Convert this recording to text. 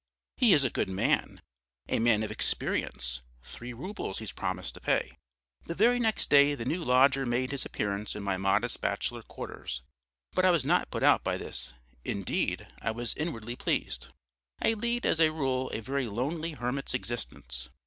He is a good man, a man of experience; three roubles he's promised to pay." The very next day the new lodger made his appearance in my modest bachelor quarters; but I was not put out by this, indeed I was inwardly pleased. I lead as a rule a very lonely hermit's existence.